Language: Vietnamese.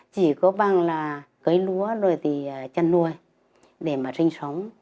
chỉ có bằng là cấy lúa rồi thì chăn nuôi để mà sinh sống